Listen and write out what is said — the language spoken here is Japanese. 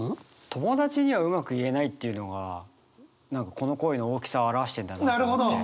「友達にはうまく言えない」っていうのがこの恋の大きさを表してるんだなと思って。